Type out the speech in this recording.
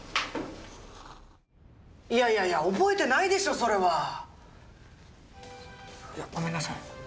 いやいやいや覚えてないでしょそれは！いやごめんなさい。